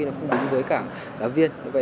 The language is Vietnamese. nó cũng đúng với cả giáo viên